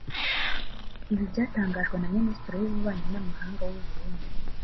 Ibi byatangajwe na Minisitiri w’ububanyi n’amahanga w’u Burundi